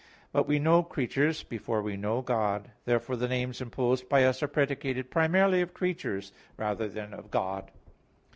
But we know creatures before we know God. Therefore the names imposed by us are predicated primarily of creatures rather than of God.